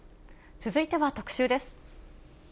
続いては特集です。